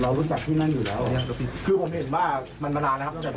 เรารู้จักที่นั่นอยู่แล้วคือผมเห็นว่ามันมานานนะครับ